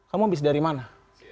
kamu habis dari mana